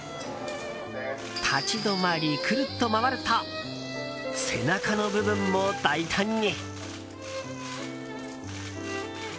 立ち止まり、くるっと回ると背中の部分も大胆に。